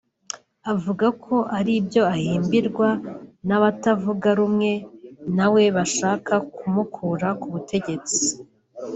avuga ko ari ibyo ahimbirwa n’abatavuga rumwe na we bashaka kumukura ku butegetsi